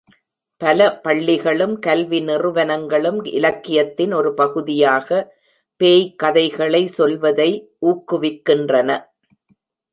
பல பள்ளிகளும் கல்வி நிறுவனங்களும் இலக்கியத்தின் ஒரு பகுதியாக பேய் கதைகளை சொல்வதை ஊக்குவிக்கின்றன.